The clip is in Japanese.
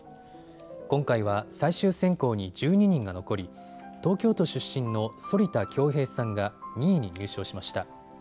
今回は最終選考に１２人が残り、東京都出身の反田恭平さんが２位に入賞しました。